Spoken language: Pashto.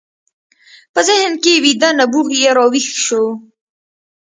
په ذهن کې ويده نبوغ يې را ويښ شو.